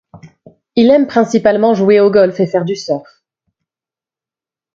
Il aime principalement jouer au golf et faire du surf.